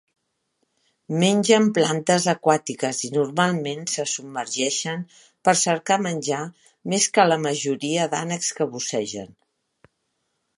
Mengen plantes aquàtiques i normalment se submergeixen per cercar menjar més que la majoria d'ànecs que bussegen.